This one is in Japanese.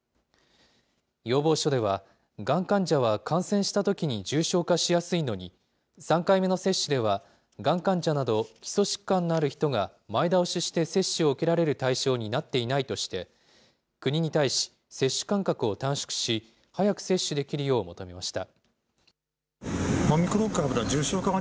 要望書では、がん患者は感染したときに重症化しやすいのに、３回目の接種では、がん患者など基礎疾患のある人が前倒しして接種を受けられる対象になっていないとして、国に対し、接種間隔を短縮し、早く接種できるよう求めました。